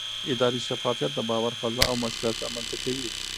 اداري شفافیت د باور فضا او مشروعیت رامنځته کوي